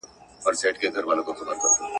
کشکي زما او ستا بهار لکه د ونو د شنېلیو